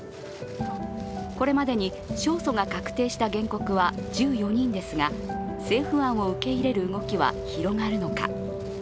これまでに勝訴が確定した原告は１４人ですが、政府案を受け入れる動きは広がるのか。